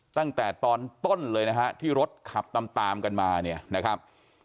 ตั้งแต่ตอนต้นเลยนะฮะที่รถขับตามตามกันมาเนี่ยนะครับ